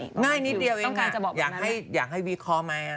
ง่ายนิดเดียวอย่างให้วิเคราะห์ไหม